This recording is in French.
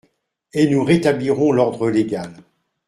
Et nous rétablirons l’ordre légal.